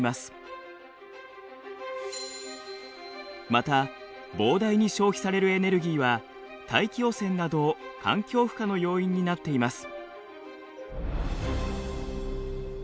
また膨大に消費されるエネルギーは大気汚染など環境負荷の要因になっています。